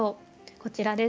こちらです。